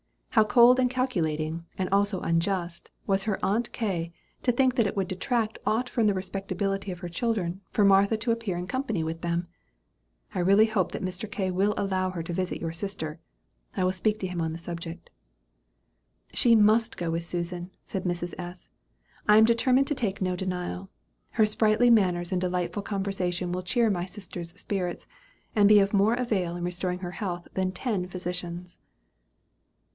How cold and calculating, and also unjust, was her aunt K., to think that it would detract aught from the respectability of her children for Martha to appear in company with them! I really hope that Mr. K. will allow her to visit your sister. I will speak to him on the subject." "She must go with Susan," said Mrs. S.; "I am determined to take no denial. Her sprightly manners and delightful conversation will cheer my sister's spirits, and be of more avail in restoring her health than ten physicians."